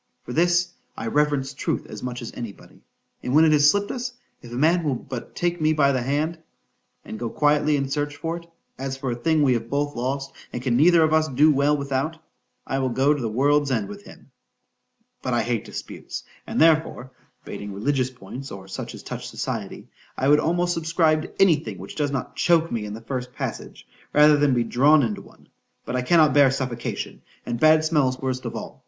For all this, I reverence truth as much as any body; and when it has slipped us, if a man will but take me by the hand, and go quietly and search for it, as for a thing we have both lost, and can neither of us do well without,—I'll go to the world's end with him:——But I hate disputes,—and therefore (bating religious points, or such as touch society) I would almost subscribe to any thing which does not choak me in the first passage, rather than be drawn into one——But I cannot bear suffocation,——and bad smells worst of all.